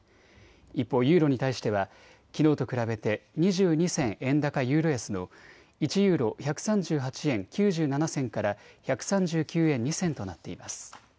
一方、ユーロに対してはきのうと比べて２２銭円高ユーロ安の１ユーロ１３８円９７銭から１３９円２銭となっています。